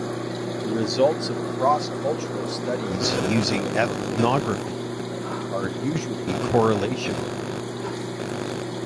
The results of cross-cultural studies using ethnography are usually correlational.